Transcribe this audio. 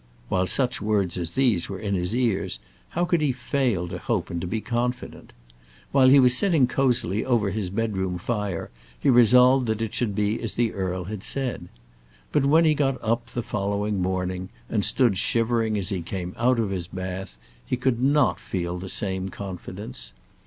While such words as these were in his ears how could he fail to hope and to be confident? While he was sitting cozily over his bedroom fire he resolved that it should be as the earl had said. But when he got up on the following morning, and stood shivering as he came out of his bath, he could not feel the same confidence.